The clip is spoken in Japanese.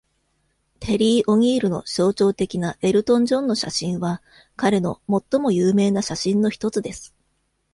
テリー・オニールの象徴的なエルトン・ジョンの写真は、彼の最も有名な写真の一つです。